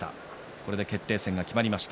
これで決定戦が決まりました。